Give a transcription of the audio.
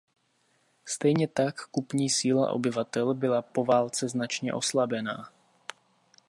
Stejně tak kupní síla obyvatel byla po válce značně oslabená.